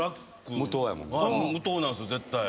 無糖なんすよ絶対。